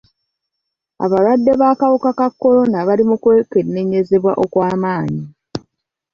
Abalwadde b'akawuka ka kolona bali mu kwekenneenyezebwa okw'amaanyi.